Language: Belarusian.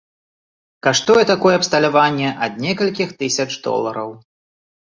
Каштуе такое абсталяванне ад некалькіх тысяч долараў.